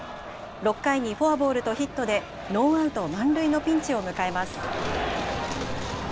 ６回にフォアボールとヒットでノーアウト満塁のピンチを迎えます。